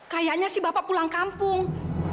kayaknya sih bapak pulang kampung